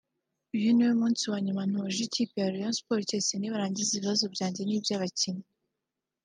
« Uyu niwo munsi wa nyuma ntoje ikipe ya Rayons Sports keretse nibarangiza ibibabazo byanjye n’ibya abakinnyi